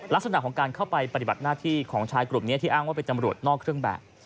ลักษณะของการเข้าไปปฏิบัติหน้าที่ของชายกลุ่มนี้ที่อ้างว่าเป็นตำรวจนอกเครื่องแบบ